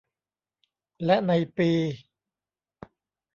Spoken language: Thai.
และในปี